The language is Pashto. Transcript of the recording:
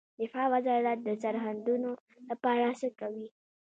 دفاع وزارت د سرحدونو لپاره څه کوي؟